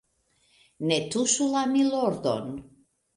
ne tuŝu la _milordon_.